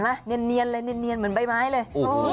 ก็คือเอามาทานนี่เห็นไหมเห็นไหมเนียนเหมือนใบไม้เลย